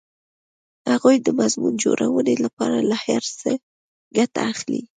هغوی د مضمون جوړونې لپاره له هر څه ګټه اخلي